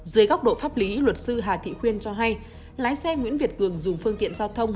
dưới góc độ pháp lý luật sư hà thị khuyên cho hay lái xe nguyễn việt cường dùng phương tiện giao thông